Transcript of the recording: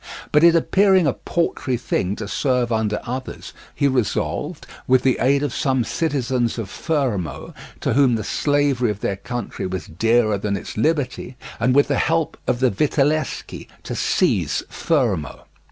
But it appearing a paltry thing to serve under others, he resolved, with the aid of some citizens of Fermo, to whom the slavery of their country was dearer than its liberty, and with the help of the Vitelleschi, to seize Fermo.